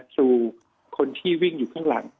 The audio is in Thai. สู่คนที่วิ่งอยู่ข้างหลัง